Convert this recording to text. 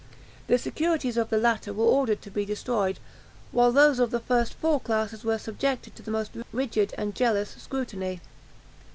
The securities of the latter were ordered to be destroyed, while those of the first four classes were subjected to a most rigid and jealous scrutiny.